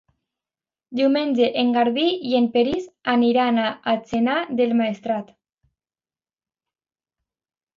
Diumenge en Garbí i en Peris aniran a Atzeneta del Maestrat.